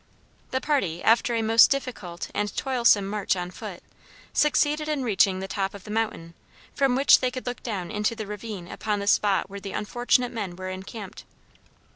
The party, after a most difficult and toilsome march on foot, succeeded in reaching the top of the mountain, from which they could look down into the ravine upon the spot where the unfortunate men were encamped.